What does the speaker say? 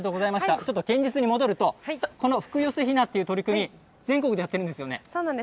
ちょっと現実に戻ると、この福よせ雛っていう取り組み、全国でやそうなんです。